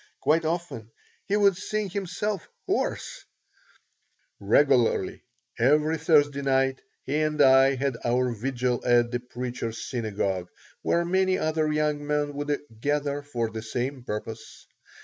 Quite often he would sing himself hoarse Regularly every Thursday night he and I had our vigil at the Preacher's Synagogue, where many other young men would gather for the same purpose.